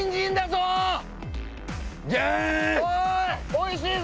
おいしいぞ！